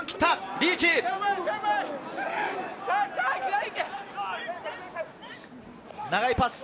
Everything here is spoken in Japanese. リーチ、長いパス。